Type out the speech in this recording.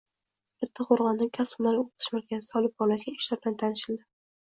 Kattaqo‘rg‘ondagi Kasb-hunarga o‘qitish markazida olib borilayotgan ishlar bilan tanishildi